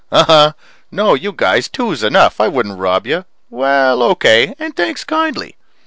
Uhuh. No, you guys. Two's enough. I wouldn't rob you. Well, okay, and thanks kindly.